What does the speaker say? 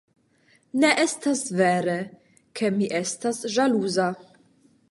Ne estas vere, ke mi estas ĵaluza.